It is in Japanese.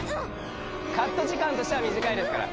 カット時間としては短いですから。